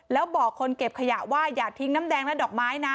แล้วบอกคนเก็บขยะว่าอย่าทิ้งน้ำแดงและดอกไม้นะ